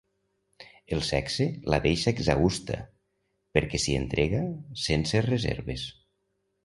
El sexe la deixa exhausta perquè s'hi entrega sense reserves.